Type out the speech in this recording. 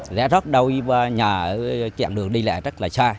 trẻ trót đôi nhà dạng đường đi lại rất là xa